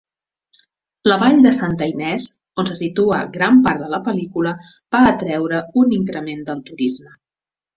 La vall de Santa Ynez, on se situa gran part de la pel·lícula, va atreure un increment del turisme.